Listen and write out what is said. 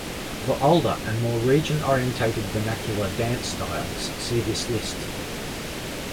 For older and more region-oriented vernacular dance styles, see this list.